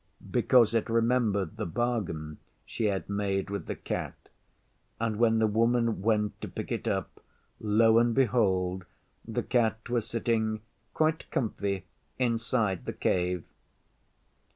because it remembered the bargain she had made with the Cat, and when the Woman went to pick it up lo and behold! the Cat was sitting quite comfy inside the Cave.